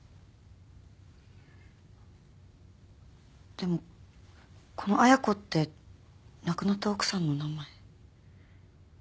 でもこの彩子って亡くなった奥さんの名前？